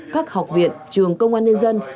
các học viện trường công an nhân dân